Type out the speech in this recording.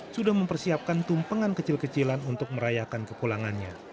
sudah mempersiapkan tumpengan kecil kecilan untuk merayakan kepulangannya